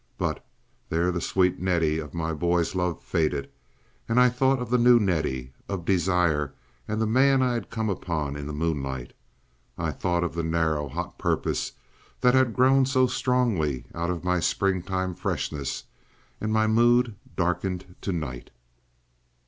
But there the sweet Nettie of my boy's love faded, and I thought of the new Nettie of desire and the man I had come upon in the moonlight, I thought of the narrow, hot purpose that had grown so strongly out of my springtime freshness, and my mood darkened to night.